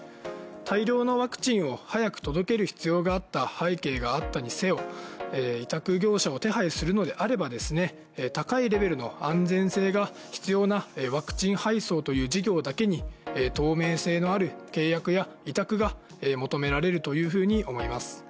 大量のワクチンを早く届ける必要があった背景があったにせよ委託業者を手配するのであればですね、高いレベルの安全性が必要なワクチン配送という事業だけに透明性のある契約や委託が求められるというふうに思います。